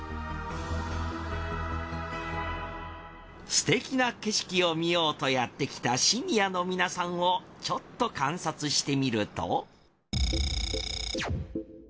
すてきな景色を見ようとやってきたシニアの皆さんをちょっと観察してみると。